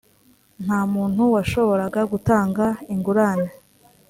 nta muntu washoboraga gutanga ingurane .